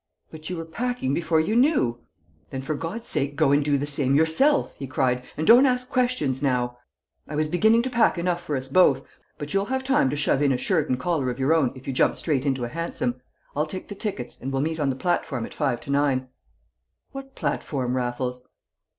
"But you were packing before you knew!" "Then for God's sake go and do the same yourself!" he cried, "and don't ask questions now. I was beginning to pack enough for us both, but you'll have time to shove in a shirt and collar of your own if you jump straight into a hansom. I'll take the tickets, and we'll meet on the platform at five to nine." "What platform, Raffles?"